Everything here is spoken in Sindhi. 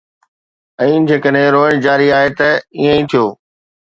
۽ جيڪڏهن روئڻ جاري آهي، ته ائين ئي ٿيو.